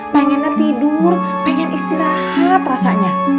pengennya tidur pengen istirahat rasanya